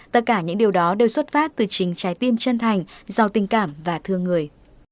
tất cả những điều đó đều xuất phát từ chính trái tim chân thành giàu tình cảm và thương người